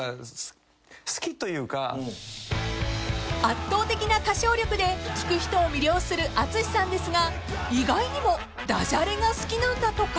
［圧倒的な歌唱力で聴く人を魅了するＡＴＳＵＳＨＩさんですが意外にもダジャレが好きなんだとか］